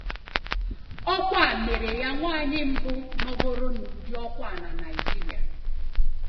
Ọkwa a mere ya nwaanyị mbụ nọgoro n'ụdị ọkwa na Nigeria.